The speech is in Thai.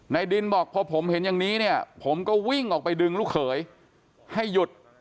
ดินบอกพอผมเห็นอย่างนี้เนี่ยผมก็วิ่งออกไปดึงลูกเขยให้หยุด